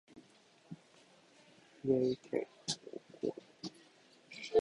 宮城県大衡村